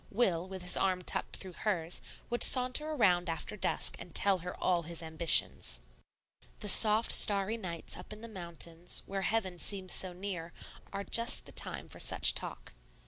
Will, with his arm tucked through hers, would saunter around after dusk and tell her all his ambitions. The soft, starry evenings up in the mountains, where heaven seems so near, are just the time for such talk.